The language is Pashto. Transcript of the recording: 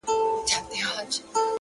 اوس مي نو ومرگ ته انتظار اوسئ.